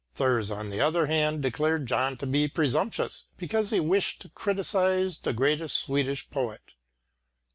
Thurs on the other hand declared John to be presumptuous, because he wished to criticise the greatest Swedish poet.